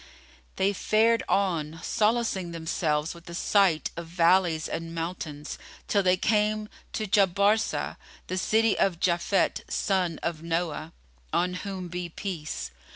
They fared on, solacing themselves with the sight of valleys and mountains, till they came to Jabarsá,[FN#32] the city of Japhet son of Noah (on whom be peace!)